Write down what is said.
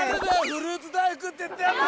フルーツ大福って言ったヤツ！